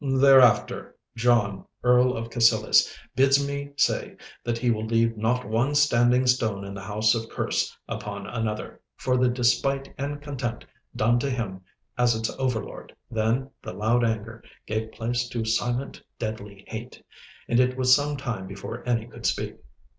'Thereafter, John, Earl of Cassillis, bids me say that he will leave not one standing stone in the house of Kerse upon another, for the despite and contempt done to him as its overlord.' Then the loud anger gave place to silent, deadly hate, and it was some time before any could speak.